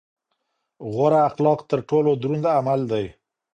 غوره اخلاق تر ټولو دروند عمل دی.